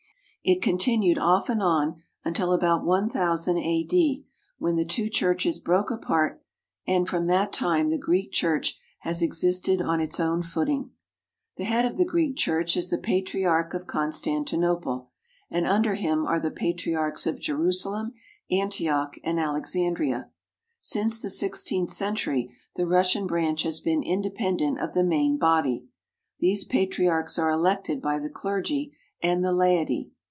It continued off and on until about iooo A. D., when the two churches broke apart, and from that time the Greek Church has existed on its own footing. The head of the Greek Church is the Patriarch of Constantinople, and under him are the patriarchs of Jerusalem, Antioch, and Alexandria. Since the sixteenth century, the Russian branch has been independent of the main body. These patriarchs are elected by the clergy and the laity.